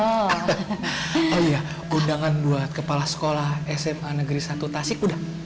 oh iya undangan buat kepala sekolah sma negeri satu tasik udah